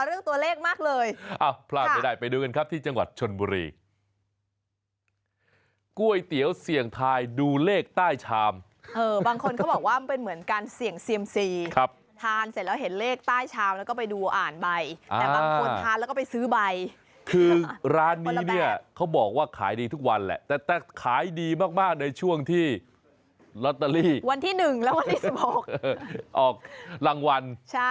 อุลาหลายคนรอเรื่องตัวเลขมากเลย